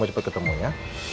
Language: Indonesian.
nanti mau cepet ketemu ya